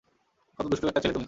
কত দুষ্টু একটা ছেলে তুমি!